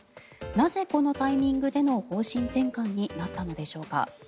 なぜ、このタイミングでの方針転換になったのでしょうか。